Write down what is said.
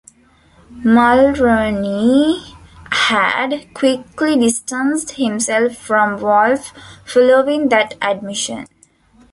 Mulroney had quickly distanced himself from Wolf following that admission.